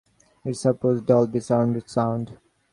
It supports Dolby Surround sound.